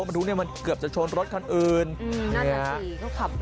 วิทยาลัยศาสตร์อัศวิทยาลัยศาสตร์